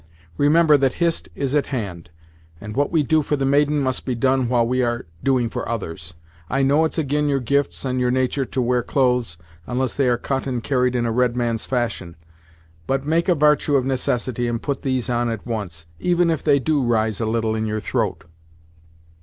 Remember that Hist is at hand, and what we do for the maiden must be done while we are doing for others. I know it's ag'in your gifts and your natur' to wear clothes, unless they are cut and carried in a red man's fashion, but make a vartue of necessity and put these on at once, even if they do rise a little in your throat."